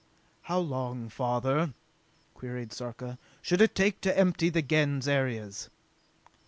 "How long, father," queried Sarka, "should it take to empty the Gens areas?"